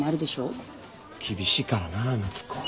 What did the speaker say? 厳しいからな夏子は。